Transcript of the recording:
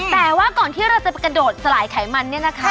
แต่ว่าก่อนที่เราจะกระโดดสลายไขมันเนี่ยนะคะ